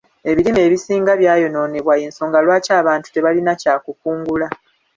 Ebirime ebisinga byayonoonebwa y'ensonga lwaki abantu tebalina kya kukungula.